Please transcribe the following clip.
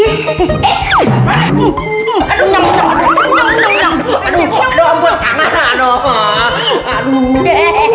aduh ampun tangan aduh